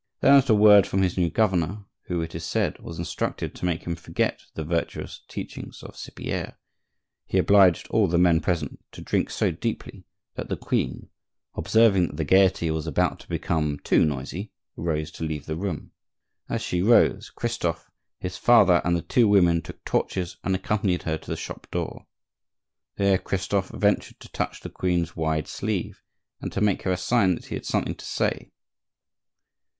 Then, at a word from his new governor (who, it is said, was instructed to make him forget the virtuous teachings of Cypierre), he obliged all the men present to drink so deeply that the queen, observing that the gaiety was about to become too noisy, rose to leave the room. As she rose, Christophe, his father, and the two women took torches and accompanied her to the shop door. There Christophe ventured to touch the queen's wide sleeve and to make her a sign that he had something to say.